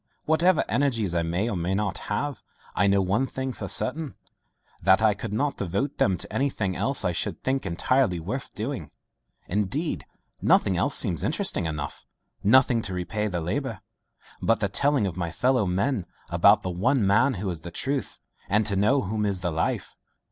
Whatever energies I may or may not have, I know one thing for certain, that I could not devote them to anything else I should think entirely worth doing. Indeed nothing else seems interesting enough nothing to repay the labour, but the telling of my fellow men about the one man who is the truth, and to know whom is the life.